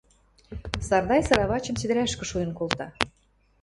Сардай сыравачым седӹрӓшкӹ шуэн колта.